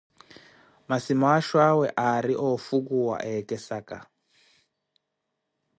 Masi maaxho awe aari oofhukuwa, ekesaka.